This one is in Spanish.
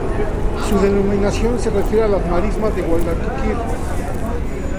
Su denominación se refiere a las Marismas del Guadalquivir.